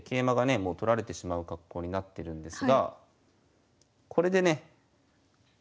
もう取られてしまう格好になってるんですがこれでね